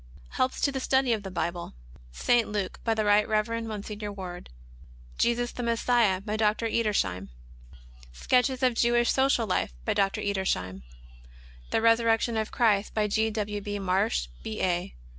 Helps to the Study of the Bible. St. Luke, by the Right Kev. Mgr. Ward. Jesus the Messiah, by Dr. Edersheim. Sketches of Jewish Social Life, by Dr. Edersheim. The Resurrection of Christ, by G. W. B. Marsh, B. A.